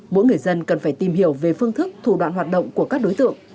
mỗi người dân cần phải tìm hiểu về phương thức thủ đoạn hoạt động của các đối tượng